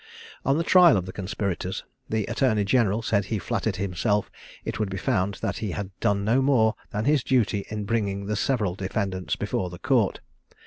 On the trial of the conspirators, the Attorney general said he flattered himself it would be found that he had done no more than his duty in bringing the several defendants before the Court.